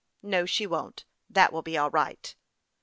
" No, she won't ; that will be all right."